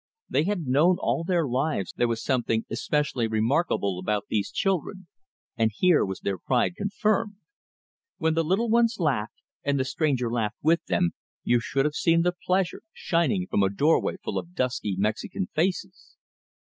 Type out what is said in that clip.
They had known all their lives there was something especially remarkable about these children; and here was their pride confirmed! When the little ones laughed, and the stranger laughed with them, you should have seen the pleasure shining from a doorway full of dusky Mexican faces!